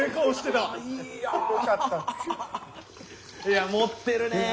いや持ってるねえ。